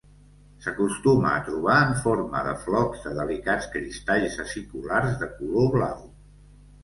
S'acostuma a trobar en forma de flocs de delicats cristalls aciculars de color blau.